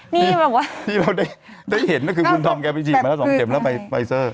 นี่แบบว่าที่เราได้เห็นก็คือคุณธอมแกไปฉีดมาแล้ว๒เข็มแล้วไปไฟเซอร์